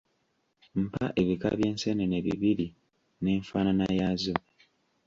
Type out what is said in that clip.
Mpa ebika by’enseenene bibiri n’enfaanaana yaazo.